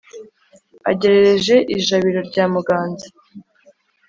agerereje ijabiro rya muganza.